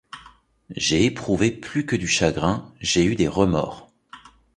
J'ai éprouvé plus que du chagrin ; j'ai eu des remords.